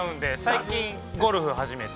最近、ゴルフ始めて。